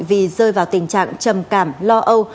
vì rơi vào tình trạng trầm cảm lo âu